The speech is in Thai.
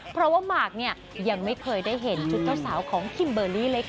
เพราะว่าหมากเนี่ยยังไม่เคยได้เห็นชุดเจ้าสาวของคิมเบอร์รี่เลยค่ะ